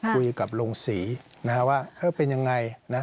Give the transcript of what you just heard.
คุยกับโรงศรีว่าเป็นอย่างไร